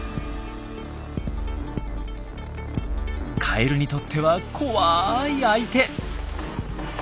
カエルにとっては怖い相手。